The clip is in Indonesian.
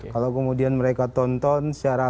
kalau kemudian mereka tonton secara